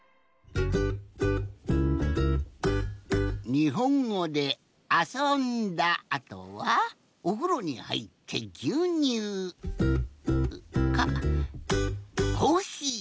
にほんごであそんだあとはおふろにはいってぎゅうにゅう。かコーヒーぎゅうにゅう。